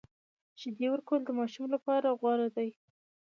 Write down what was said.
شیدې ورکول د ماشوم لپاره غوره دي۔